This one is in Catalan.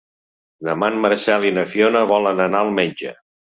Demà en Marcel i na Fiona volen anar al metge.